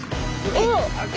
おっ！